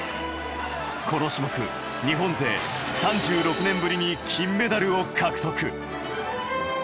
この種目、日本勢３６年ぶりに金メダルを獲得。